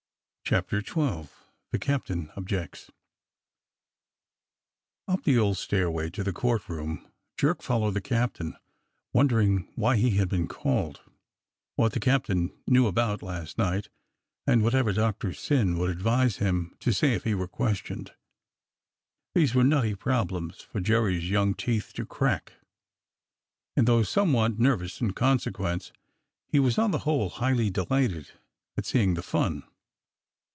CHAPTER XII THE CAPTAIN OBJECTS UP THE old stairway to the courtroom Jerk followed the captain, wondering why he had been called, what the captain knew about last night, and whatever Doctor Syn would advise him to Bay if he were questioned. These were nutty problems for Jerry's young teeth to crack, and though some what nervous in consequence, he was on the whole highly delighted at seeing the fun.